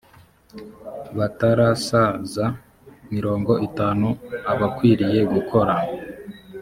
bataras za mirongo itanu abakwiriye gukora